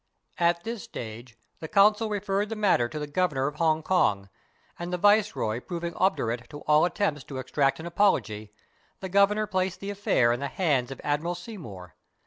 At this stage the consul referred the matter to the Governor of Hong Kong, and the viceroy proving ob durate to all attempts to extract an apology, the gover nor placed the affair in the hands of Admiral Seymour.